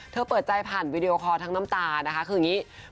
เปิดใจผ่านวีดีโอคอลทั้งน้ำตานะคะคืออย่างนี้